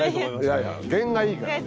いやいや験がいいからね。